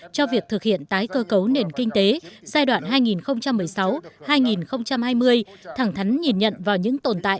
cho việc thực hiện tái cơ cấu nền kinh tế giai đoạn hai nghìn một mươi sáu hai nghìn hai mươi thẳng thắn nhìn nhận vào những tồn tại